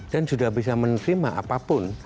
dan sudah bisa menerima apapun